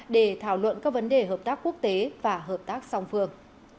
để thảo luận các vấn đề hợp tác quốc tế và hợp tác song phương